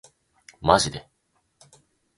マジで